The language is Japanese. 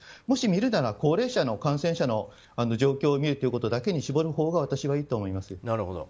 もし見るなら高齢者の感染者の状況を見るということだけに絞るほうが私はいいと思います。